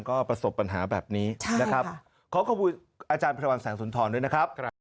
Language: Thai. ก็ประสบปัญหาแบบนี้นะครับขอขอบคุณอาจารย์พระวันแสงสุนทรด้วยนะครับ